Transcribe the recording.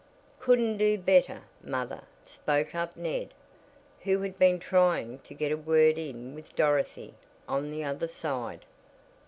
"Couldn't do better, mother," spoke up Ned, who had been trying to get a word in with Dorothy "on the other side."